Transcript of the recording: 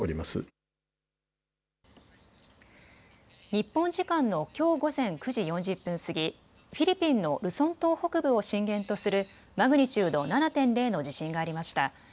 日本時間のきょう午前９時４０分過ぎ、フィリピンのルソン島北部を震源とするマグニチュード７．０の地震がありました。